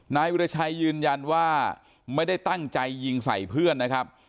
นายวิราชัยยืนยันว่าไม่ได้ตั้งใจยิงใส่เพื่อนนะครับ